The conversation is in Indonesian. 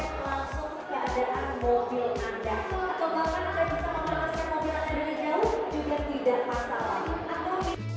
lalu keadaan mobil anda